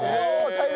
大量。